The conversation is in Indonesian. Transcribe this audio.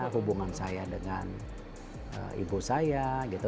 hubungan saya dengan ibu saya gitu